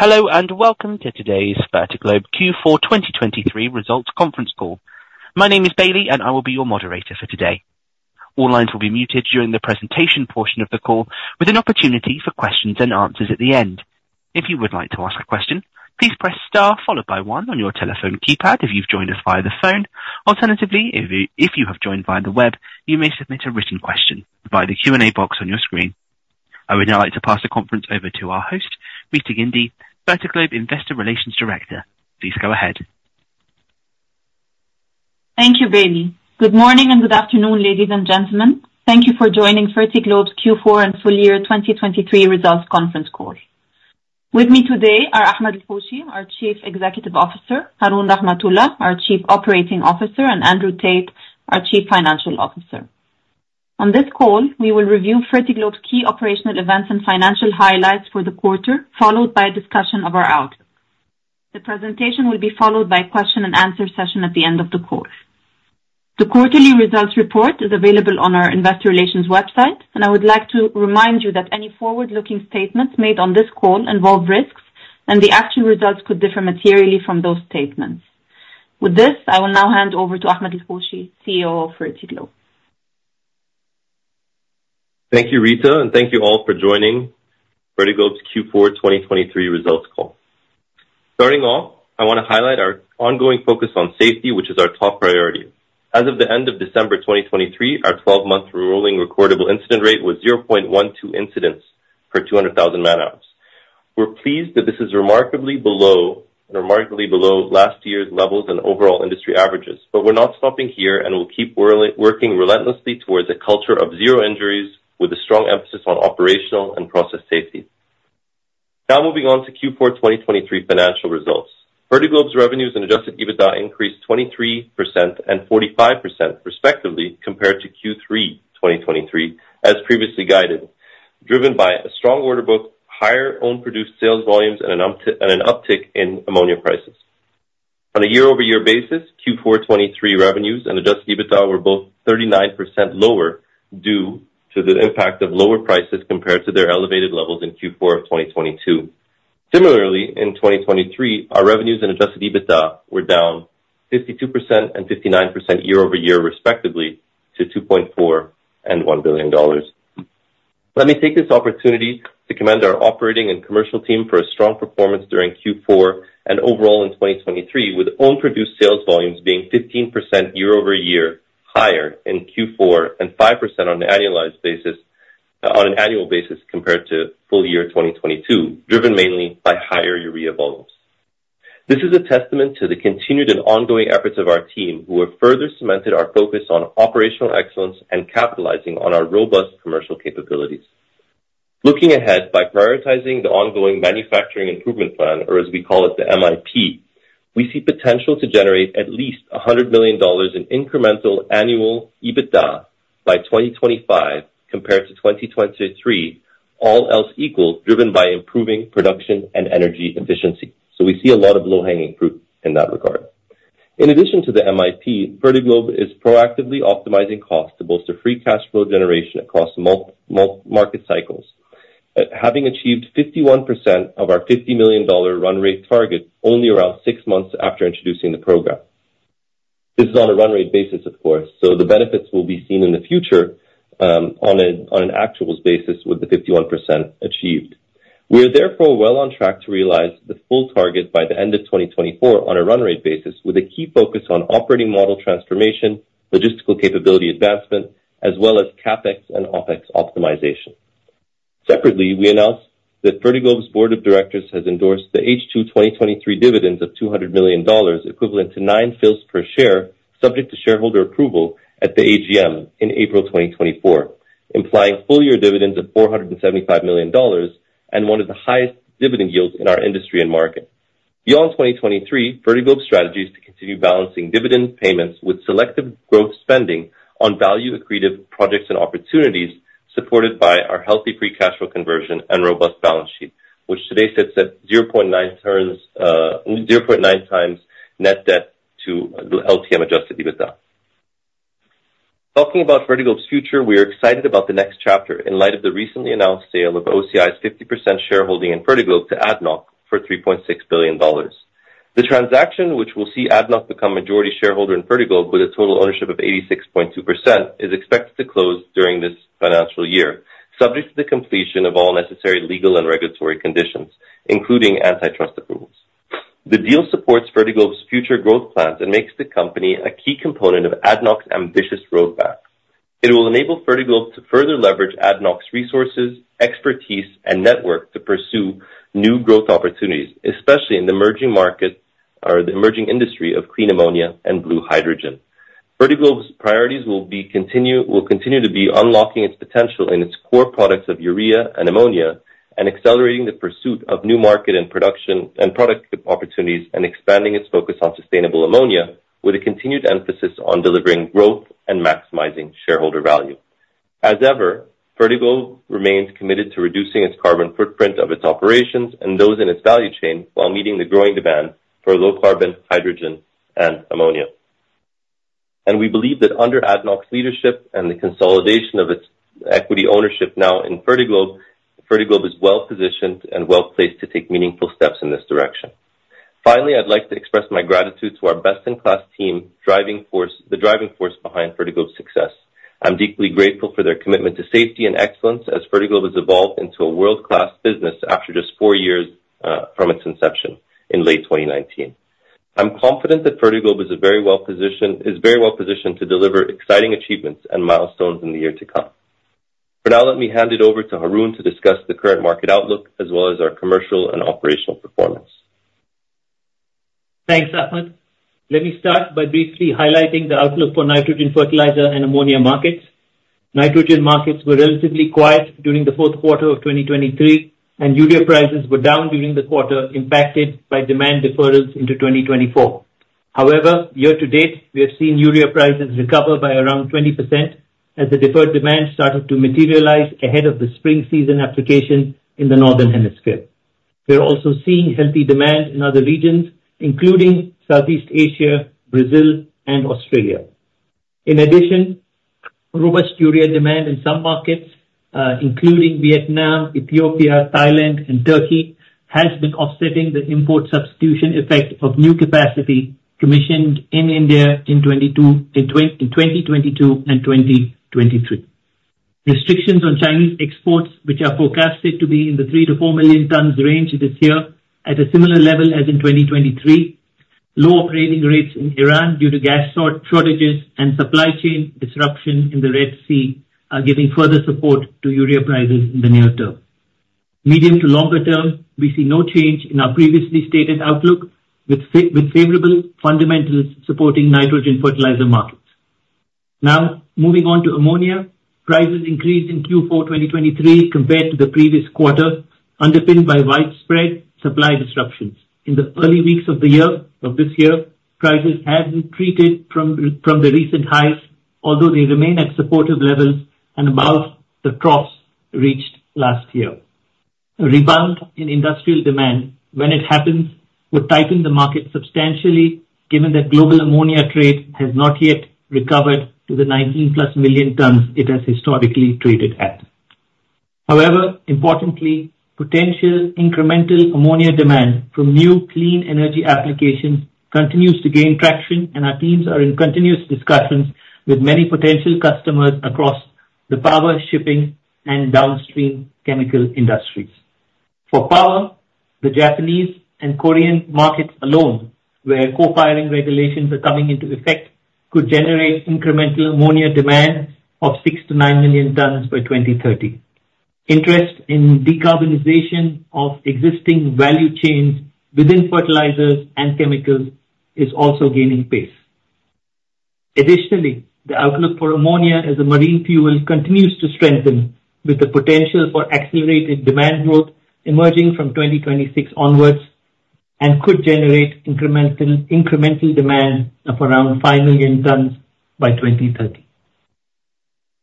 Hello and welcome to today's Fertiglobe Q4 2023 Results Conference Call. My name is Bailey, and I will be your moderator for today. All lines will be muted during the presentation portion of the call, with an opportunity for questions and answers at the end. If you would like to ask a question, please press star followed by 1 on your telephone keypad if you've joined us via the phone. Alternatively, if you have joined via the web, you may submit a written question via the Q&A box on your screen. I would now like to pass the conference over to our host, Rita Guindy, Fertiglobe Investor Relations Director. Please go ahead. Thank you, Bailey. Good morning and good afternoon, ladies and gentlemen. Thank you for joining Fertiglobe's Q4 and full year 2023 Results Conference Call. With me today are Ahmed El-Hoshy, our Chief Executive Officer, Haroon Rahmathulla, our Chief Operating Officer, and Andrew Tait, our Chief Financial Officer. On this call, we will review Fertiglobe's key operational events and financial highlights for the quarter, followed by a discussion of our outlook. The presentation will be followed by a question-and-answer session at the end of the call. The quarterly results report is available on our Investor Relations website, and I would like to remind you that any forward-looking statements made on this call involve risks, and the actual results could differ materially from those statements. With this, I will now hand over to Ahmed El-Hoshy, CEO of Fertiglobe. Thank you, Rita, and thank you all for joining Fertiglobe's Q4 2023 Results Call. Starting off, I want to highlight our ongoing focus on safety, which is our top priority. As of the end of December 2023, our 12-month rolling recordable incident rate was 0.12 incidents per 200,000 man-hours. We're pleased that this is remarkably below last year's levels and overall industry averages, but we're not stopping here and will keep working relentlessly towards a culture of zero injuries, with a strong emphasis on operational and process safety. Now moving on to Q4 2023 financial results. Fertiglobe's revenues and adjusted EBITDA increased 23% and 45%, respectively, compared to Q3 2023, as previously guided, driven by a strong order book, higher owned-produced sales volumes, and an uptick in ammonia prices. On a year-over-year basis, Q4 2023 revenues and adjusted EBITDA were both 39% lower due to the impact of lower prices compared to their elevated levels in Q4 of 2022. Similarly, in 2023, our revenues and adjusted EBITDA were down 52% and 59% year-over-year, respectively, to $2.4 billion and $1 billion. Let me take this opportunity to commend our operating and commercial team for a strong performance during Q4 and overall in 2023, with owned-produced sales volumes being 15% year-over-year higher in Q4 and 5% on an annual basis compared to full year 2022, driven mainly by higher urea volumes. This is a testament to the continued and ongoing efforts of our team, who have further cemented our focus on operational excellence and capitalizing on our robust commercial capabilities. Looking ahead, by prioritizing the ongoing Manufacturing Improvement Plan, or as we call it the MIP, we see potential to generate at least $100 million in incremental annual EBITDA by 2025 compared to 2023, all else equal, driven by improving production and energy efficiency. So we see a lot of low-hanging fruit in that regard. In addition to the MIP, Fertiglobe is proactively optimizing costs to bolster free cash flow generation across market cycles, having achieved 51% of our $50 million run rate target only around six months after introducing the program. This is on a run rate basis, of course, so the benefits will be seen in the future on an actuals basis with the 51% achieved. We are therefore well on track to realize the full target by the end of 2024 on a run rate basis, with a key focus on operating model transformation, logistical capability advancement, as well as CapEx and OpEx optimization. Separately, we announced that Fertiglobe's board of directors has endorsed the H2 2023 dividends of $200 million, equivalent to 0.09 per share, subject to shareholder approval at the AGM in April 2024, implying full year dividends of $475 million and one of the highest dividend yields in our industry and market. Beyond 2023, Fertiglobe's strategy is to continue balancing dividend payments with selective growth spending on value-accretive projects and opportunities, supported by our healthy free cash flow conversion and robust balance sheet, which today sits at 0.9x net debt to LTM adjusted EBITDA. Talking about Fertiglobe's future, we are excited about the next chapter in light of the recently announced sale of OCI's 50% shareholding in Fertiglobe to ADNOC for $3.6 billion. The transaction, which will see ADNOC become majority shareholder in Fertiglobe with a total ownership of 86.2%, is expected to close during this financial year, subject to the completion of all necessary legal and regulatory conditions, including antitrust approvals. The deal supports Fertiglobe's future growth plans and makes the company a key component of ADNOC's ambitious roadmap. It will enable Fertiglobe to further leverage ADNOC's resources, expertise, and network to pursue new growth opportunities, especially in the emerging market or the emerging industry of clean ammonia and blue hydrogen. Fertiglobe's priorities will continue to be unlocking its potential in its core products of urea and ammonia and accelerating the pursuit of new market and product opportunities and expanding its focus on sustainable ammonia, with a continued emphasis on delivering growth and maximizing shareholder value. As ever, Fertiglobe remains committed to reducing its carbon footprint of its operations and those in its value chain while meeting the growing demand for low-carbon hydrogen and ammonia. We believe that under ADNOC's leadership and the consolidation of its equity ownership now in Fertiglobe, Fertiglobe is well positioned and well placed to take meaningful steps in this direction. Finally, I'd like to express my gratitude to our best-in-class team, the driving force behind Fertiglobe's success. I'm deeply grateful for their commitment to safety and excellence as Fertiglobe has evolved into a world-class business after just four years from its inception in late 2019. I'm confident that Fertiglobe is very well positioned to deliver exciting achievements and milestones in the year to come. For now, let me hand it over to Haroon to discuss the current market outlook as well as our commercial and operational performance. Thanks, Ahmed. Let me start by briefly highlighting the outlook for nitrogen fertilizer and ammonia markets. Nitrogen markets were relatively quiet during the fourth quarter of 2023, and urea prices were down during the quarter impacted by demand deferrals into 2024. However, year to date, we have seen urea prices recover by around 20% as the deferred demand started to materialize ahead of the spring season application in the northern hemisphere. We are also seeing healthy demand in other regions, including Southeast Asia, Brazil, and Australia. In addition, robust urea demand in some markets, including Vietnam, Ethiopia, Thailand, and Turkey, has been offsetting the import substitution effect of new capacity commissioned in India in 2022 and 2023. Restrictions on Chinese exports, which are forecasted to be in the 3-4 million tons range this year at a similar level as in 2023, low operating rates in Iran due to gas shortages and supply chain disruption in the Red Sea are giving further support to urea prices in the near term. Medium to longer term, we see no change in our previously stated outlook, with favorable fundamentals supporting nitrogen fertilizer markets. Now moving on to ammonia, prices increased in Q4 2023 compared to the previous quarter, underpinned by widespread supply disruptions. In the early weeks of this year, prices hadn't retreated from the recent highs, although they remain at supportive levels and above the troughs reached last year. A rebound in industrial demand, when it happens, would tighten the market substantially, given that global ammonia trade has not yet recovered to the 19+ million tons it has historically traded at. However, importantly, potential incremental ammonia demand from new clean energy applications continues to gain traction, and our teams are in continuous discussions with many potential customers across the power, shipping, and downstream chemical industries. For power, the Japanese and Korean markets alone, where co-firing regulations are coming into effect, could generate incremental ammonia demand of 6-9 million tons by 2030. Interest in decarbonization of existing value chains within fertilizers and chemicals is also gaining pace. Additionally, the outlook for ammonia as a marine fuel continues to strengthen, with the potential for accelerated demand growth emerging from 2026 onwards and could generate incremental demand of around 5 million tons by 2030.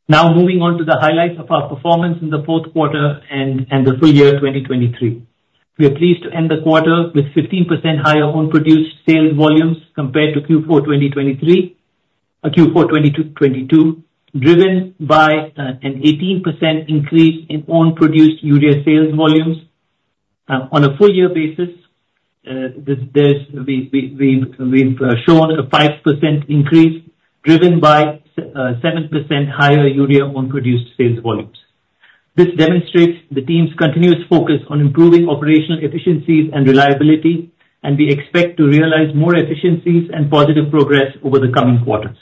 Now moving on to the highlights of our performance in the fourth quarter and the full year 2023. We are pleased to end the quarter with 15% higher owned-produced sales volumes compared to Q4 2022, driven by an 18% increase in owned-produced urea sales volumes. On a full year basis, we've shown a 5% increase driven by 7% higher urea owned-produced sales volumes. This demonstrates the team's continuous focus on improving operational efficiencies and reliability, and we expect to realize more efficiencies and positive progress over the coming quarters.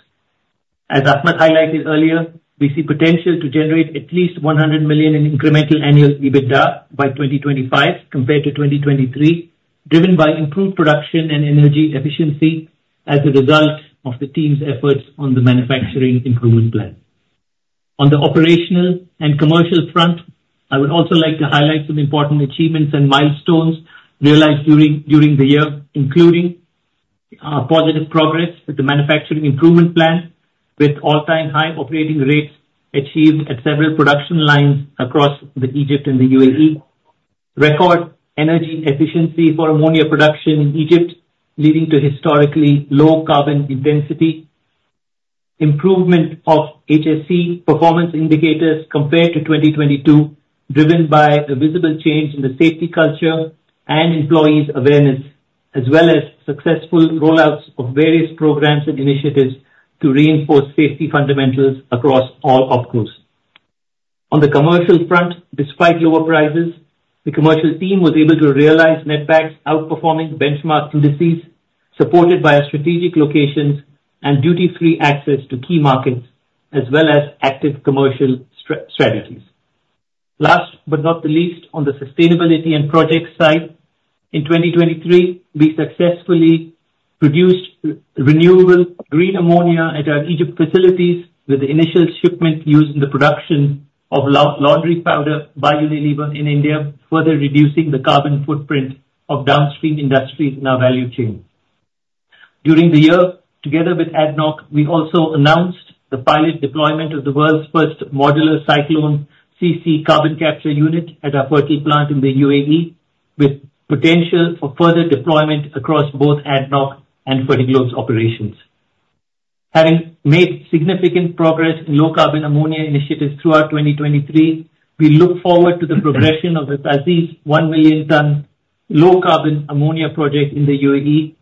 As Ahmed highlighted earlier, we see potential to generate at least $100 million in incremental annual EBITDA by 2025 compared to 2023, driven by improved production and energy efficiency as a result of the team's efforts on the Manufacturing Improvement Plan. On the operational and commercial front, I would also like to highlight some important achievements and milestones realized during the year, including positive progress with the Manufacturing Improvement Plan, with all-time high operating rates achieved at several production lines across Egypt and the UAE, record energy efficiency for ammonia production in Egypt leading to historically low carbon intensity, improvement of HSE performance indicators compared to 2022, driven by a visible change in the safety culture and employees' awareness, as well as successful rollouts of various programs and initiatives to reinforce safety fundamentals across all OPCOs. On the commercial front, despite lower prices, the commercial team was able to realize netbacks outperforming benchmark indices, supported by strategic locations and duty-free access to key markets, as well as active commercial strategies. Last but not the least, on the sustainability and projects side, in 2023, we successfully produced renewable green ammonia at our Egypt facilities with the initial shipment used in the production of laundry powder by Unilever in India, further reducing the carbon footprint of downstream industries in our value chain. During the year, together with ADNOC, we also announced the pilot deployment of the world's first modular CycloneCC carbon capture unit at our Fertil plant in the UAE, with potential for further deployment across both ADNOC and Fertiglobe's operations. Having made significant progress in low-carbon ammonia initiatives throughout 2023, we look forward to the progression of the TA'ZIZ 1-million-ton low-carbon ammonia project in the UAE,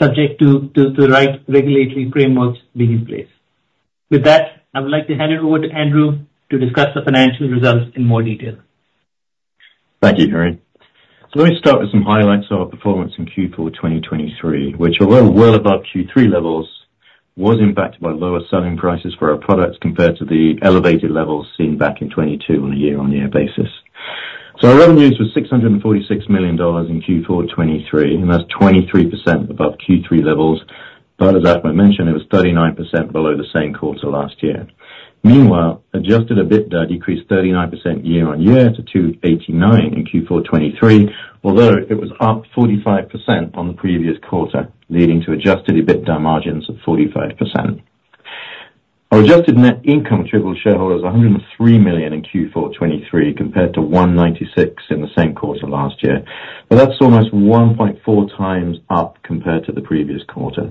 subject to the right regulatory frameworks being in place. With that, I would like to hand it over to Andrew to discuss the financial results in more detail. Thank you, Haroon. So let me start with some highlights of our performance in Q4 2023, which, although well above Q3 levels, was impacted by lower selling prices for our products compared to the elevated levels seen back in 2022 on a year-on-year basis. So our revenues were $646 million in Q4 2023, and that's 23% above Q3 levels. But as Ahmed mentioned, it was 39% below the same quarter last year. Meanwhile, adjusted EBITDA decreased 39% year-on-year to $289 million in Q4 2023, although it was up 45% on the previous quarter, leading to adjusted EBITDA margins of 45%. Our adjusted net income was $103 million in Q4 2023 compared to $196 million in the same quarter last year. But that's almost 1.4 times up compared to the previous quarter.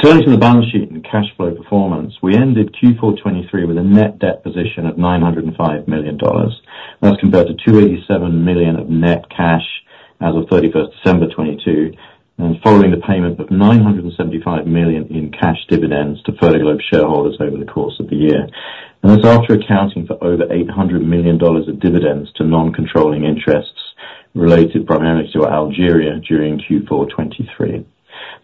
So turning to the balance sheet and cash flow performance, we ended Q4 2023 with a net debt position of $905 million. That's compared to $287 million of net cash as of 31st December 2022, and following the payment of $975 million in cash dividends to Fertiglobe shareholders over the course of the year. And that's after accounting for over $800 million of dividends to non-controlling interests related primarily to Algeria during Q4 2023.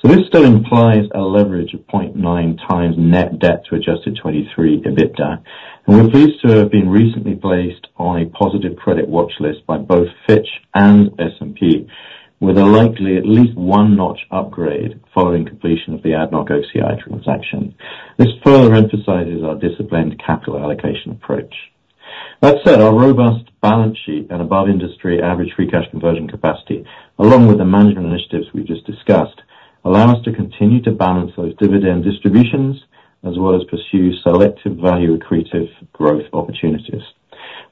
So this still implies a leverage of 0.9x net debt to adjusted 2023 EBITDA. And we're pleased to have been recently placed on a positive credit watchlist by both Fitch and S&P, with a likely at least one notch upgrade following completion of the ADNOC OCI transaction. This further emphasizes our disciplined capital allocation approach. That said, our robust balance sheet and above-industry average free cash conversion capacity, along with the management initiatives we've just discussed, allow us to continue to balance those dividend distributions as well as pursue selective value-accretive growth opportunities.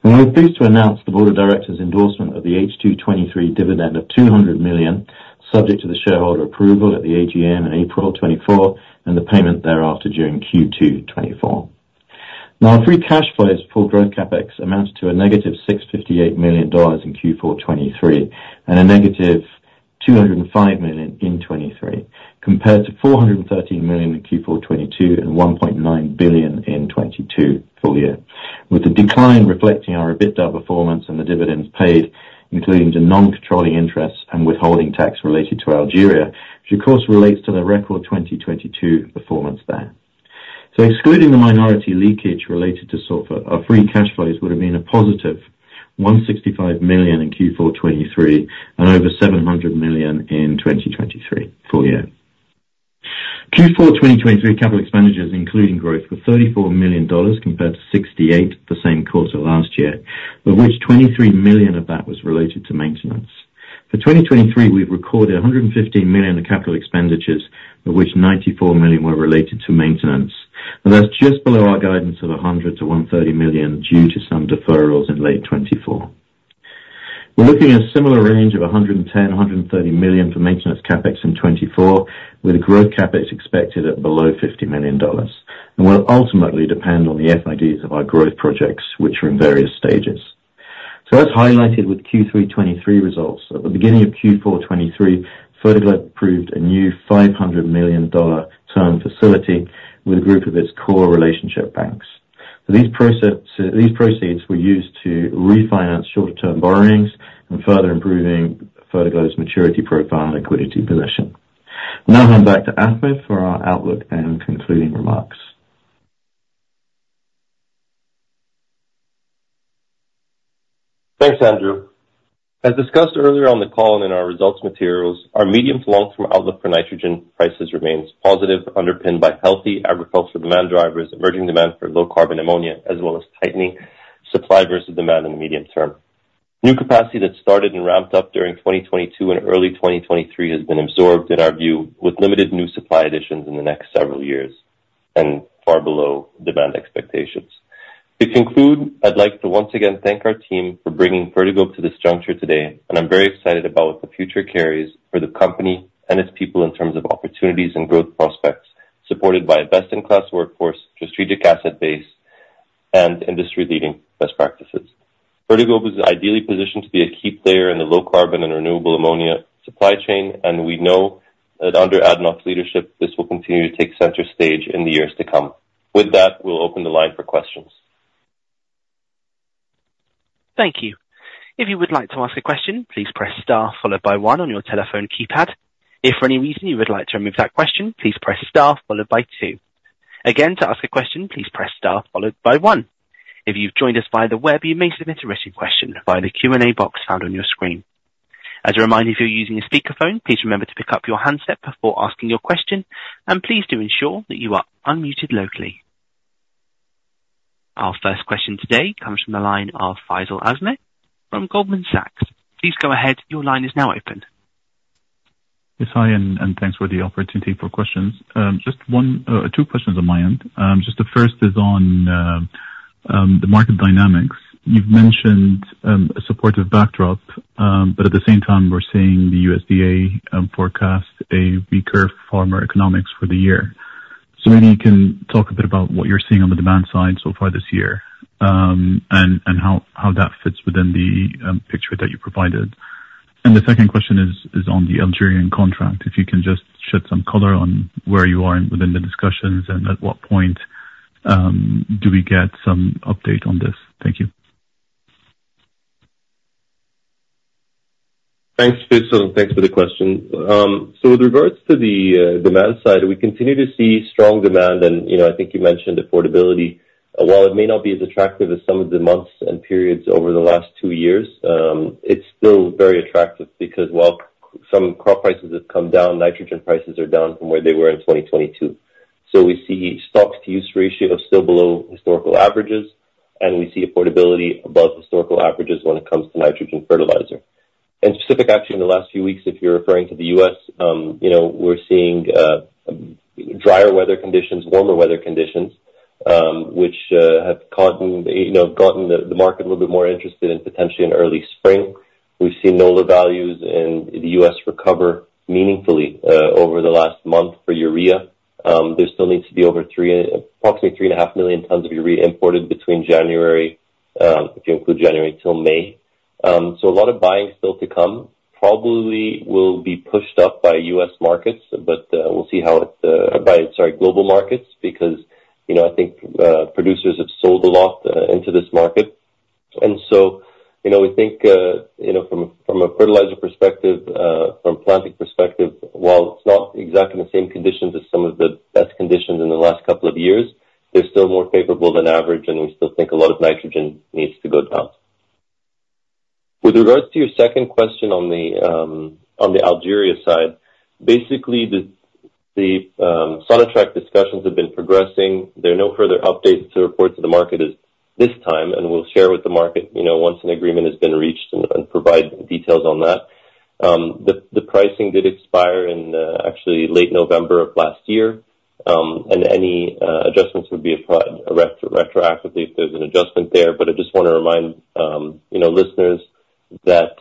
And we're pleased to announce the board of directors' endorsement of the H2 2023 dividend of $200 million, subject to the shareholder approval at the AGM in April 2024 and the payment thereafter during Q2 2024. Now, our free cash flows for growth CAPEX amounted to a negative $658 million in Q4 2023 and a negative $205 million in 2023, compared to $413 million in Q4 2022 and $1.9 billion in 2022 full year. With the decline reflecting our EBITDA performance and the dividends paid, including to non-controlling interests and withholding tax related to Algeria, which, of course, relates to the record 2022 performance there. Excluding the minority leakage related to Sorfert, our free cash flows would have been a positive $165 million in Q4 2023 and over $700 million in 2023 full year. Q4 2023 capital expenditures, including growth, were $34 million compared to $68 million the same quarter last year, of which $23 million of that was related to maintenance. For 2023, we've recorded $115 million of capital expenditures, of which $94 million were related to maintenance. That's just below our guidance of $100 million-$130 million due to some deferrals in late 2024. We're looking at a similar range of $110 million-$130 million for maintenance CapEx in 2024, with a growth CapEx expected at below $50 million. We'll ultimately depend on the FIDs of our growth projects, which are in various stages. As highlighted with Q3 2023 results, at the beginning of Q4 2023, Fertiglobe approved a new $500 million term facility with a group of its core relationship banks. These proceeds were used to refinance shorter-term borrowings and further improving Fertiglobe's maturity profile and liquidity position. Now hand back to Ahmed for our outlook and concluding remarks. Thanks, Andrew. As discussed earlier on the call and in our results materials, our medium-to-long-term outlook for nitrogen prices remains positive, underpinned by healthy agricultural demand drivers, emerging demand for low-carbon ammonia, as well as tightening supply versus demand in the medium term. New capacity that started and ramped up during 2022 and early 2023 has been absorbed, in our view, with limited new supply additions in the next several years and far below demand expectations. To conclude, I'd like to once again thank our team for bringing Fertiglobe to this juncture today. I'm very excited about what the future carries for the company and its people in terms of opportunities and growth prospects, supported by a best-in-class workforce, strategic asset base, and industry-leading best practices. Fertiglobe is ideally positioned to be a key player in the low-carbon and renewable ammonia supply chain, and we know that under ADNOC's leadership, this will continue to take center stage in the years to come. With that, we'll open the line for questions. Thank you. If you would like to ask a question, please press star followed by one on your telephone keypad. If for any reason you would like to remove that question, please press star followed by two. Again, to ask a question, please press star followed by one. If you've joined us via the web, you may submit a written question via the Q&A box found on your screen. As a reminder, if you're using a speakerphone, please remember to pick up your handset before asking your question. And please do ensure that you are unmuted locally. Our first question today comes from the line of Faisal Azmeh from Goldman Sachs. Please go ahead. Your line is now open. Yes, hi, and thanks for the opportunity for questions. Just two questions on my end. Just the first is on the market dynamics. You've mentioned a supportive backdrop, but at the same time, we're seeing the USDA forecast a receding farmer economics for the year. So maybe you can talk a bit about what you're seeing on the demand side so far this year and how that fits within the picture that you provided. And the second question is on the Algerian contract. If you can just shed some color on where you are within the discussions and at what point do we get some update on this? Thank you. Thanks, Faisal, and thanks for the question. So with regards to the demand side, we continue to see strong demand. I think you mentioned affordability. While it may not be as attractive as some of the months and periods over the last two years, it's still very attractive because while some crop prices have come down, nitrogen prices are down from where they were in 2022. So we see stock-to-use ratio still below historical averages, and we see affordability above historical averages when it comes to nitrogen fertilizer. And specifically, actually, in the last few weeks, if you're referring to the U.S., we're seeing drier weather conditions, warmer weather conditions, which have gotten the market a little bit more interested in potentially in early spring. We've seen NOLA values in the U.S. recover meaningfully over the last month for urea. There still needs to be approximately 3.5 million tons of urea imported between January, if you include January, till May. So a lot of buying still to come. Probably will be pushed up by U.S. markets, but we'll see how it by, sorry, global markets because I think producers have sold a lot into this market. And so we think from a fertilizer perspective, from a planting perspective, while it's not exactly the same conditions as some of the best conditions in the last couple of years, they're still more favorable than average, and we still think a lot of nitrogen needs to go down. With regards to your second question on the Algeria side, basically, the Sonatrach discussions have been progressing. There are no further updates to reports to the market this time, and we'll share with the market once an agreement has been reached and provide details on that. The pricing did expire in actually late November of last year, and any adjustments would be applied retroactively if there's an adjustment there. But I just want to remind listeners that,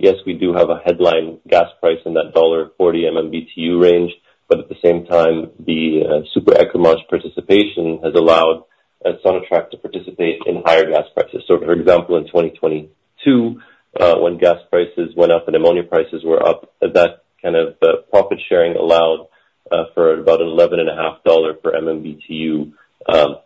yes, we do have a headline gas price in that $1.40 MMBTU range, but at the same time, the Super Ecremage participation has allowed Sonatrach to participate in higher gas prices. So, for example, in 2022, when gas prices went up and ammonia prices were up, that kind of profit sharing allowed for about an $11.5 per MMBTU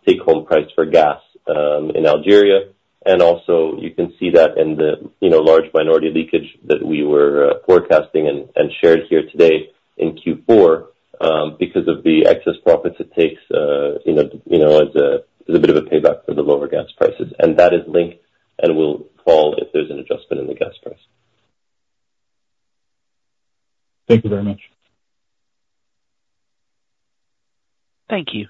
take-home price for gas in Algeria. Also, you can see that in the large minority leakage that we were forecasting and shared here today in Q4 because of the excess profits it takes as a bit of a payback for the lower gas prices. That is linked and will fall if there's an adjustment in the gas price. Thank you very much. Thank you.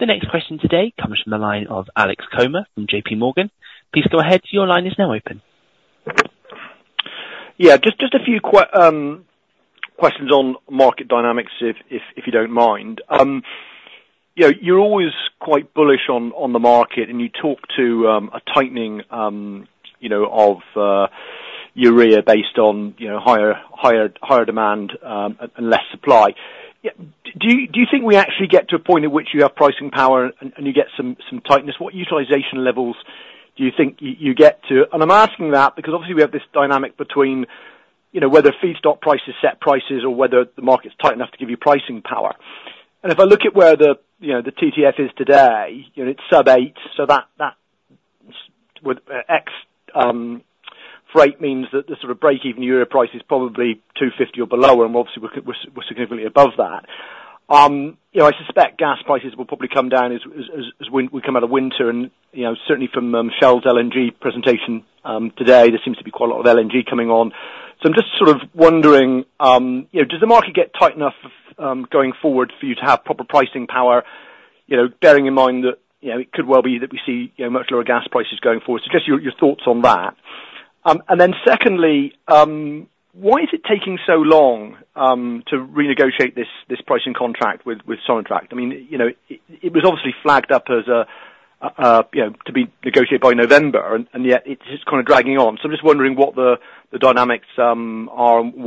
The next question today comes from the line of Alex Comer from JP Morgan. Please go ahead. Your line is now open. Yeah, just a few questions on market dynamics, if you don't mind. You're always quite bullish on the market, and you talk to a tightening of urea based on higher demand and less supply. Do you think we actually get to a point at which you have pricing power and you get some tightness? What utilization levels do you think you get to? And I'm asking that because, obviously, we have this dynamic between whether feedstock prices set prices or whether the market's tight enough to give you pricing power. And if I look at where the TTF is today, it's sub-$8. So $8/MMBTU means that the sort of break-even urea price is probably $250 or below, and obviously, we're significantly above that. I suspect gas prices will probably come down as we come out of winter. Certainly, from Shell's LNG presentation today, there seems to be quite a lot of LNG coming on. So I'm just sort of wondering, does the market get tight enough going forward for you to have proper pricing power, bearing in mind that it could well be that we see much lower gas prices going forward? Suggest your thoughts on that. And then secondly, why is it taking so long to renegotiate this pricing contract with Sonatrach? I mean, it was obviously flagged up as to be negotiated by November, and yet it's just kind of dragging on. So I'm just wondering what the dynamics are and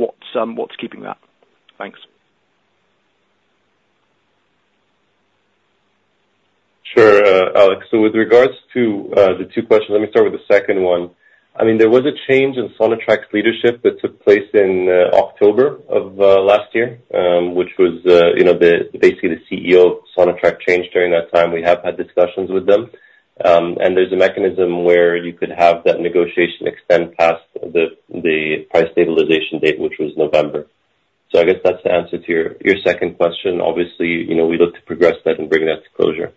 what's keeping that. Thanks. Sure, Alex. So with regards to the two questions, let me start with the second one. I mean, there was a change in Sonatrach's leadership that took place in October of last year, which was basically the CEO of Sonatrach changed during that time. We have had discussions with them. And there's a mechanism where you could have that negotiation extend past the price stabilization date, which was November. So I guess that's the answer to your second question. Obviously, we look to progress that and bring that to closure.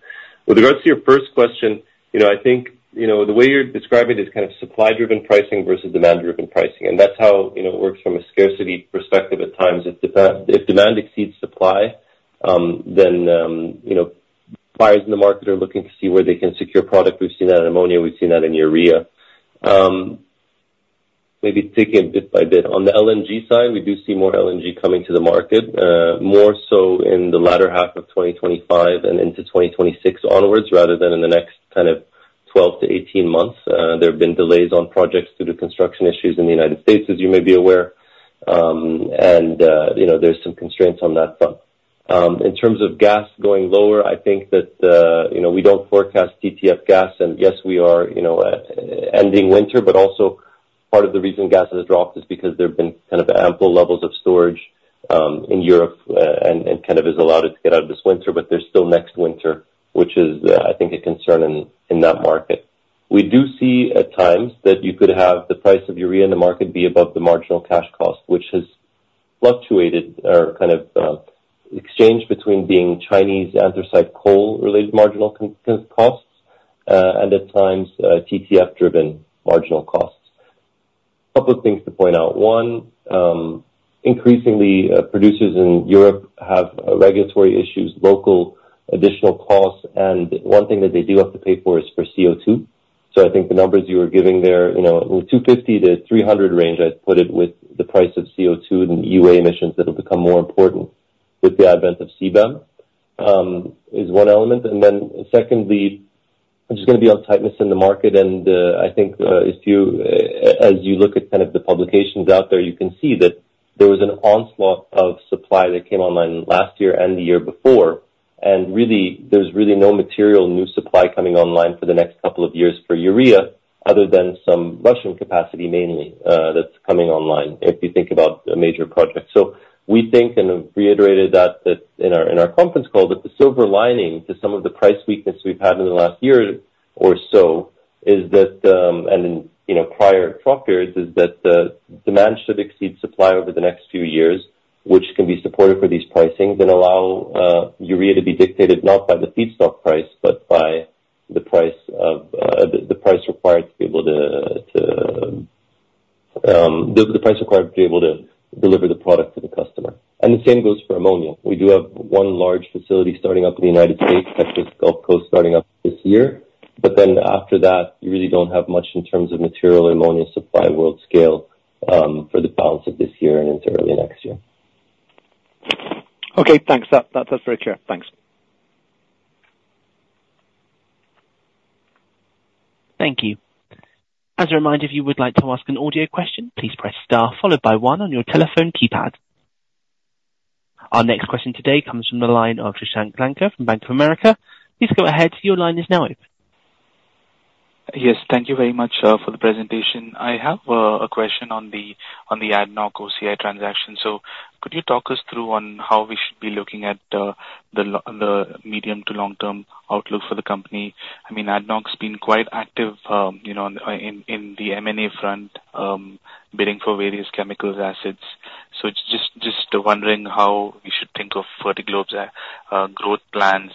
With regards to your first question, I think the way you're describing it is kind of supply-driven pricing versus demand-driven pricing. And that's how it works from a scarcity perspective at times. If demand exceeds supply, then buyers in the market are looking to see where they can secure product. We've seen that in ammonia. We've seen that in urea. Maybe take it bit by bit. On the LNG side, we do see more LNG coming to the market, more so in the latter half of 2025 and into 2026 onwards rather than in the next kind of 12-18 months. There have been delays on projects due to construction issues in the United States, as you may be aware. And there's some constraints on that front. In terms of gas going lower, I think that we don't forecast TTF gas. And yes, we are ending winter, but also part of the reason gas has dropped is because there have been kind of ample levels of storage in Europe and kind of is allowed it to get out of this winter. But there's still next winter, which is, I think, a concern in that market. We do see at times that you could have the price of urea in the market be above the marginal cash cost, which has fluctuated or kind of exchanged between being Chinese anthracite coal-related marginal costs and at times TTF-driven marginal costs. A couple of things to point out. One, increasingly, producers in Europe have regulatory issues, local additional costs. And one thing that they do have to pay for is for CO2. So I think the numbers you were giving there, in the 250-300 range, I'd put it with the price of CO2 and EU emissions that will become more important with the advent of CBAM, is one element. And then secondly, I'm just going to be on tightness in the market. I think as you look at kind of the publications out there, you can see that there was an onslaught of supply that came online last year and the year before. Really, there's really no material new supply coming online for the next couple of years for urea other than some Russian capacity mainly that's coming online if you think about a major project. So we think and have reiterated that in our conference call, that the silver lining to some of the price weakness we've had in the last year or so is that and in prior crop periods is that demand should exceed supply over the next few years, which can be supportive for these pricings and allow urea to be dictated not by the feedstock price but by the price required to be able to deliver the product to the customer. And the same goes for ammonia. We do have one large facility starting up in the United States, Texas Gulf Coast, starting up this year. But then after that, you really don't have much in terms of material ammonia supply world-scale for the balance of this year and into early next year. Okay, thanks. That's very clear. Thanks. Thank you. As a reminder, if you would like to ask an audio question, please press star followed by 1 on your telephone keypad. Our next question today comes from the line of Shashank Lanka from Bank of America. Please go ahead. Your line is now open. Yes, thank you very much for the presentation. I have a question on the ADNOC OCI transaction. So could you talk us through on how we should be looking at the medium- to long-term outlook for the company? I mean, ADNOC's been quite active in the M&A front bidding for various chemicals, acids. So just wondering how we should think of Fertiglobe's growth plans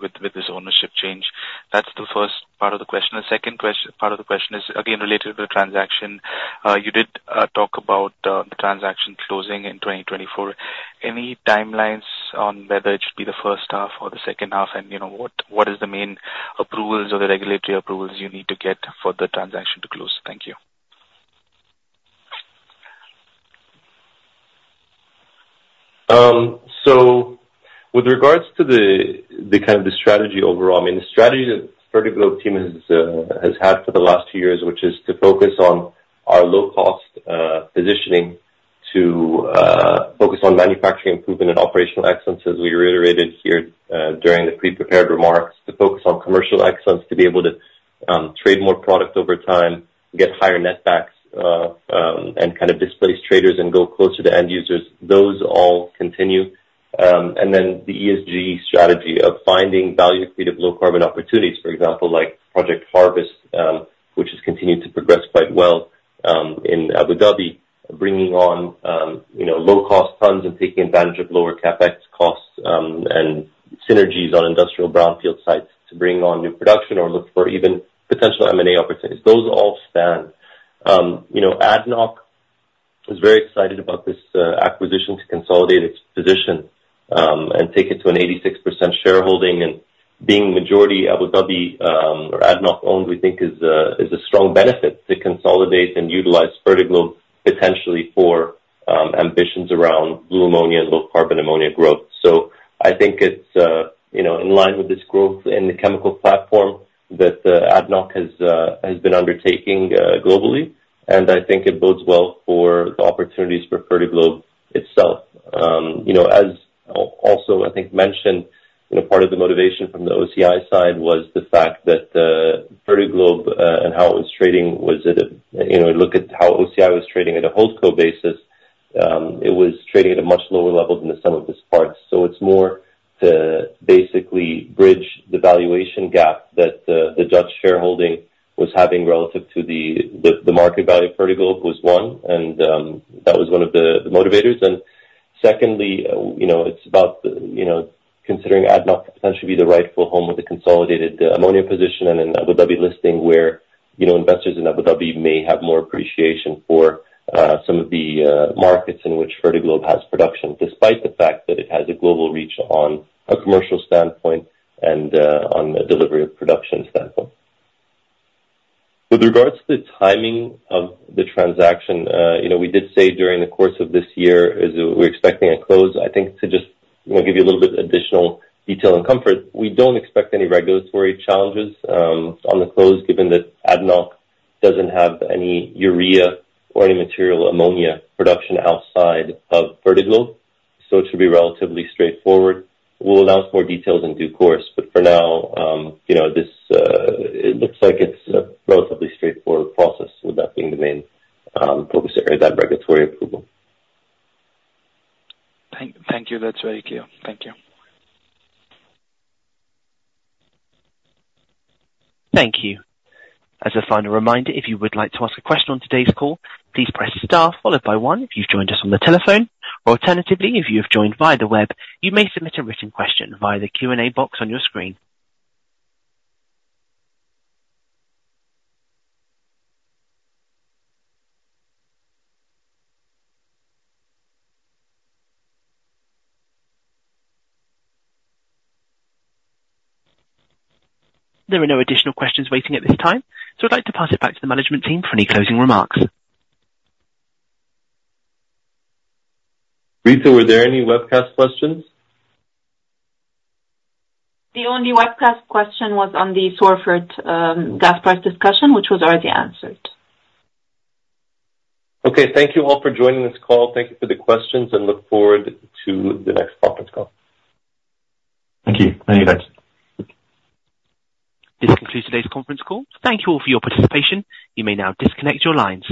with this ownership change. That's the first part of the question. The second part of the question is, again, related to the transaction. You did talk about the transaction closing in 2024. Any timelines on whether it should be the first half or the second half, and what is the main approvals or the regulatory approvals you need to get for the transaction to close? Thank you. With regards to kind of the strategy overall, I mean, the strategy that the Fertiglobe team has had for the last two years, which is to focus on our low-cost positioning, to focus on manufacturing improvement and operational excellence, as we reiterated here during the pre-prepared remarks, to focus on commercial excellence, to be able to trade more product over time, get higher netbacks, and kind of displace traders and go closer to end users. Those all continue. Then the ESG strategy of finding value-creative low-carbon opportunities, for example, like Project Harvest, which has continued to progress quite well in Abu Dhabi, bringing on low-cost tons and taking advantage of lower CAPEX costs and synergies on industrial brownfield sites to bring on new production or look for even potential M&A opportunities. Those all stand. ADNOC is very excited about this acquisition to consolidate its position and take it to an 86% shareholding. And being majority Abu Dhabi or ADNOC-owned, we think, is a strong benefit to consolidate and utilize Fertiglobe potentially for ambitions around blue ammonia and low-carbon ammonia growth. So I think it's in line with this growth in the chemical platform that ADNOC has been undertaking globally. And I think it bodes well for the opportunities for Fertiglobe itself. As also, I think, mentioned, part of the motivation from the OCI side was the fact that Fertiglobe and how it was trading was that if you look at how OCI was trading at a holdco basis, it was trading at a much lower level than the sum of its parts. So it's more to basically bridge the valuation gap that the Dutch shareholding was having relative to the market value of Fertiglobe was one. And that was one of the motivators. And secondly, it's about considering ADNOC potentially be the rightful home with a consolidated ammonia position and an Abu Dhabi listing where investors in Abu Dhabi may have more appreciation for some of the markets in which Fertiglobe has production, despite the fact that it has a global reach on a commercial standpoint and on a delivery of production standpoint. With regards to the timing of the transaction, we did say during the course of this year we're expecting a close. I think to just give you a little bit additional detail and comfort, we don't expect any regulatory challenges on the close given that ADNOC doesn't have any urea or any material ammonia production outside of Fertiglobe. It should be relatively straightforward. We'll announce more details in due course. For now, it looks like it's a relatively straightforward process with that being the main focus area, that regulatory approval. Thank you. That's very clear. Thank you. Thank you. As a final reminder, if you would like to ask a question on today's call, please press star followed by one if you've joined us on the telephone. Or alternatively, if you have joined via the web, you may submit a written question via the Q&A box on your screen. There are no additional questions waiting at this time. So I'd like to pass it back to the management team for any closing remarks. Rita, were there any webcast questions? The only webcast question was on the Sorfert gas price discussion, which was already answered. Okay. Thank you all for joining this call. Thank you for the questions, and look forward to the next conference call. Thank you. Thank you, guys. This concludes today's conference call. Thank you all for your participation. You may now disconnect your lines.